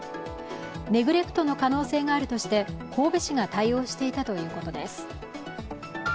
ネグレクトの可能性があるとして神戸市が対応していたということです。